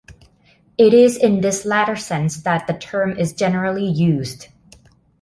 It is in this latter sense that the term is generally used.